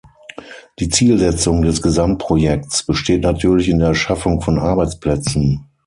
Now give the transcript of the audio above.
Die Zielsetzung des Gesamtprojekts besteht natürlich in der Schaffung von Arbeitsplätzen.